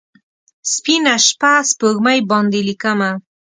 سپینه شپه، سپوږمۍ باندې لیکمه